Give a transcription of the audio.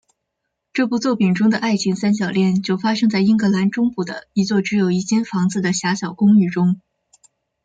这部作品中的爱情三角恋就发生在英格兰中部的一座只有一间房子的狭小公寓中。